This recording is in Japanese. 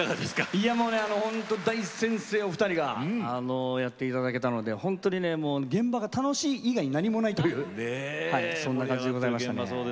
いやもう大先生お二人でやっていただけたので現場が楽しい以外、何もないというそんな感じでございました。